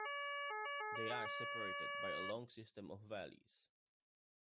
They are separated by a long system of valleys.